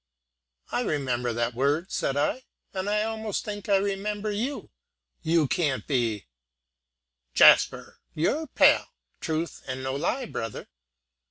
"I remember that word," said I, "and I almost think I remember you. You can't be " "Jasper, your pal! Truth, and no lie, brother."